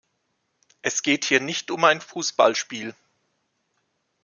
Es geht hier nicht um ein Fußballspiel.